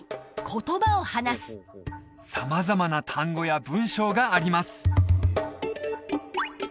様々な単語や文章があります